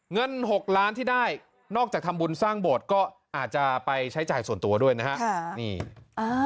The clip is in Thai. เงิน๖ล้านที่ได้นอกจากทำบุญสร้างโบสถ์ก็อาจจะไปใช้จ่ายส่วนตัวด้วยนะฮะ